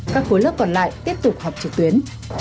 các khối lớp còn lại tiếp tục học trực tuyến